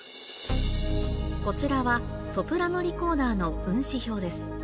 こちらはソプラノリコーダーの運指表です